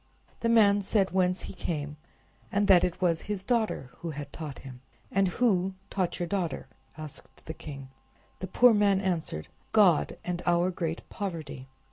The man said whence he came, and that it was his daughter who had taught him. "And who taught your daughter?" asked the king. The poor man answered: "God, and our great poverty."